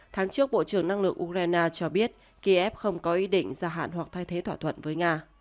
tháng trước bộ trưởng năng lượng ukraine cho biết kiev không có ý định gia hạn hoặc thay thế thỏa thuận với nga